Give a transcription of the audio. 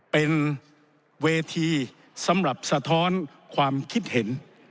เป็นเวทีสำหรับสะท้อนความคิดเห็น